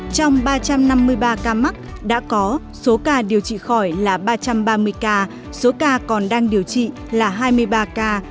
trong ba trăm năm mươi ba ca mắc đã có số ca điều trị khỏi là ba trăm ba mươi ca số ca còn đang điều trị là hai mươi ba ca